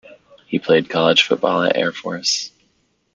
He played college football at Air Force.